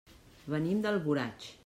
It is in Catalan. Venim d'Alboraig.